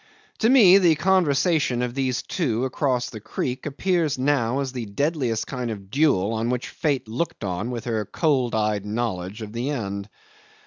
To me the conversation of these two across the creek appears now as the deadliest kind of duel on which Fate looked on with her cold eyed knowledge of the end.